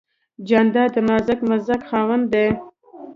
جانداد د نازک مزاج خاوند دی.